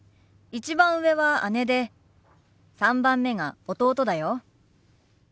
１番上は姉で３番目が弟だよ。